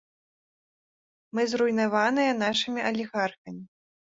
Мы зруйнаваныя нашымі алігархамі.